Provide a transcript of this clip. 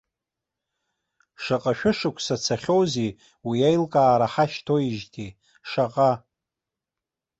Шаҟа шәышықәса цахьоузеи уи аилкаара ҳашьҭоуижьҭеи, шаҟа!